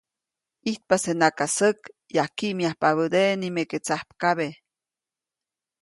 ʼIjtpasenaka säk, yajkkiʼmyajpabädeʼe nimeke tsajpkabe.